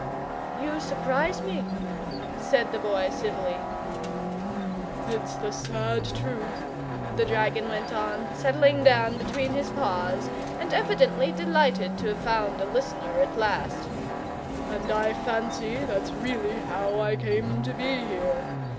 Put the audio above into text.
"You surprise me," said the Boy, civilly. "It's the sad truth," the dragon went on, settling down between his paws and evidently delighted to have found a listener at last: "and I fancy that's really how I came to be here.